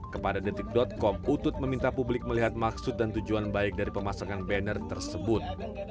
kepada detik com utut meminta publik melihat maksud dan tujuan baik dari pemasangan banner tersebut